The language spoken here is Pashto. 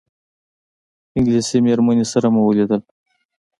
انګلیسي مېرمنې سره مو ولیدل.